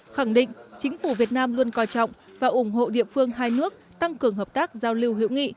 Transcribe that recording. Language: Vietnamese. khẳng định chính phủ việt nam luôn coi trọng và ủng hộ địa phương hai nước tăng cường hợp tác giao lưu hữu nghị